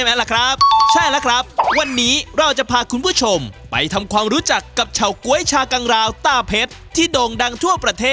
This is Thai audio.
เพราะว่าแม่พี่น้องอีกแล้วครับอากาศร้อนอย่างนี้นะครับ